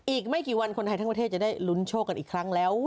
อีกไม่กี่วันคนไทยทั้งประเทศจะได้ลุ้นโชคกันอีกครั้งแล้ว